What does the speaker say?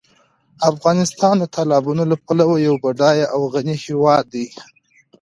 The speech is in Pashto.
افغانستان د تالابونو له پلوه یو بډایه او غني هېواد دی.